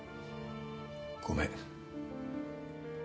ごめん